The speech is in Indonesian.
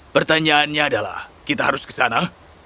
pertanyaannya adalah kita harus ke sana